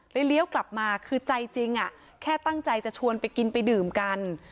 เลี้ยวกลับมาคือใจจริงแค่ตั้งใจจะชวนไปกินไปดื่มกัน